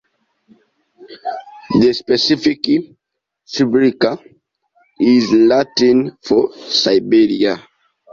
The specific "sibirica" is Latin for Siberia.